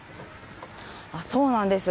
そうなんです。